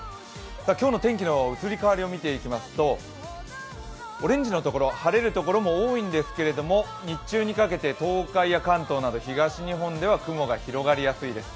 今日の天気の移り変わりを見ていきますとオレンジの所、晴れる所も多いんですけれども日中にかけて、東海や関東など東日本では雲が広がりやすいです。